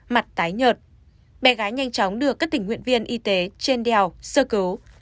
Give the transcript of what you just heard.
mặt tái nhợt bé gái nhanh chóng đưa các tỉnh nguyện viên y tế trên đèo sơ cứu